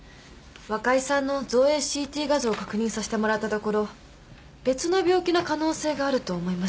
若井さんの造影ＣＴ画像を確認させてもらったところ別の病気の可能性があると思いました。